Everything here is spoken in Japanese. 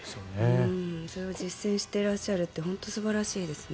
それを実践してらっしゃるって本当に素晴らしいですね。